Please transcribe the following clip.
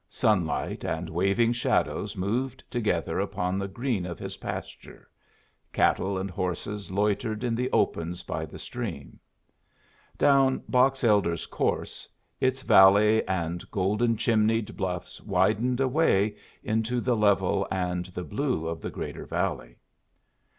Sunlight and waving shadows moved together upon the green of his pasture, cattle and horses loitered in the opens by the stream. Down Box Elder's course, its valley and golden chimneyed bluffs widened away into the level and the blue of the greater valley.